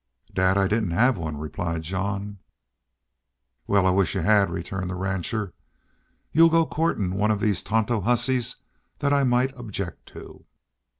"Dad, I didn't have one," replied Jean. "Wal, I wish you had," returned the rancher. "You'll go courtin' one of these Tonto hussies that I might object to."